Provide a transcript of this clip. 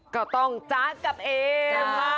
ก็ต้องจ๊ะกับเอม